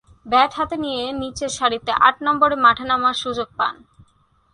Bat হাতে নিয়ে নিচেরসারিতে আট নম্বরে মাঠে নামার সুযোগ পান।